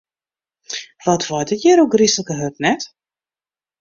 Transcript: Wat waait it hjir ôfgryslike hurd, net?